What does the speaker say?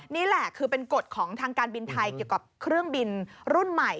นี่แหละคือเป็นกฎของทางการบินไทยเกี่ยวกับเครื่องบินรุ่นใหม่